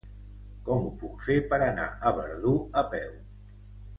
Com ho puc fer per anar a Verdú a peu?